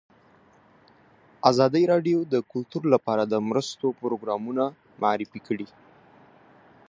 ازادي راډیو د کلتور لپاره د مرستو پروګرامونه معرفي کړي.